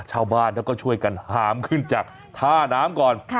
ชาวบ้านเขาก็ช่วยกันหามขึ้นจากท่าน้ำก่อน